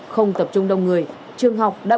không tập trung đông người trường học đã